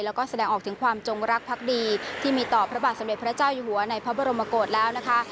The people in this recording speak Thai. แล้วก็แสดงออกถึงความจงรักพักดีที่มีต่อพระบาทสมเด็จพระเจ้าอยู่หัวในพระบรมโกศแล้วนะคะ